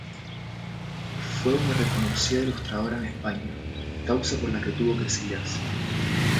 Fue una reconocida ilustradora en España, causa por la que tuvo que exiliarse.